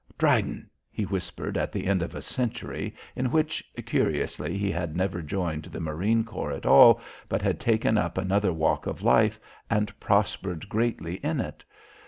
"Dryden," he whispered at the end of a century in which, curiously, he had never joined the marine corps at all but had taken to another walk of life and prospered greatly in it.